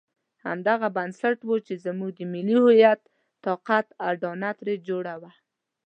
همدغه بنسټ وو چې زموږ د ملي هویت طاقت اډانه ترې جوړه وه.